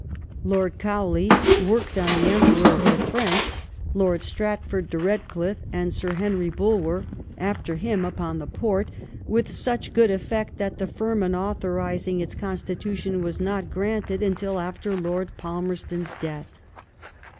Lord Cowley worked on the Emperor of the French, Lord Stratford de Bedcliffe and Sir Henry Bulwer after him upon the Porte^ with such good eflTecty that the firman authorising its constitution was not granted until after Lord Palmerston's death.